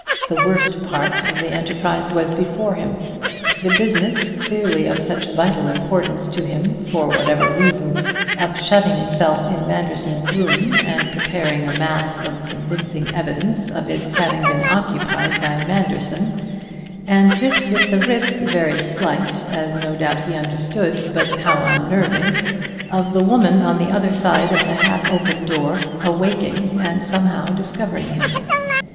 The worst part of the enterprise was before him, the business clearly of such vital importance to him, for whatever reason of shutting himself in Manderson's room and preparing a mass of convincing evidence of its having been occupied by Manderson; and this with the risk very slight, as no doubt he understood, but how unnerving! of the woman on the other side of the half open door awaking and somehow discovering him.